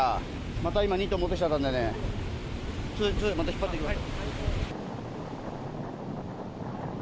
また今、２頭戻ってきちゃったんでね、ちょい、また引っ張ってきます。